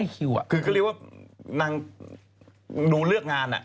คือก็เรียกว่านางดูเลือกงาน